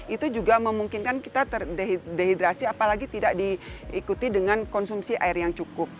itu juga memungkinkan kita dehidrasi apalagi tidak diikuti dengan konsumsi air yang cukup